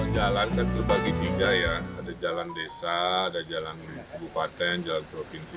jalan kan terbagi tiga ya ada jalan desa ada jalan bupaten jalan provinsi